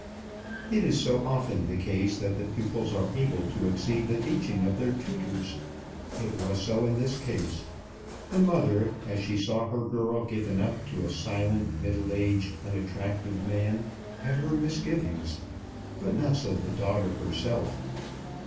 It is so often the case that the pupils are able to exceed the teaching of their tutors! It was so in this case. The mother, as she saw her girl given up to a silent middle aged unattractive man, had her misgivings; but not so the daughter herself.